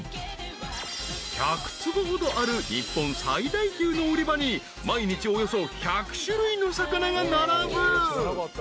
［１００坪ほどある日本最大級の売り場に毎日およそ１００種類の魚が並ぶ］